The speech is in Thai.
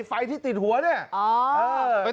ไฟที่ติดหัวเนี่ย